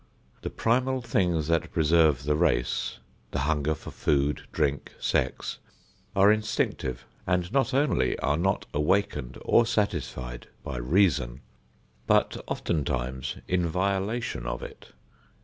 The primal things that preserve the race, the hunger for food, drink, sex, are instinctive and not only are not awakened or satisfied by reason, but oftentimes in violation of it.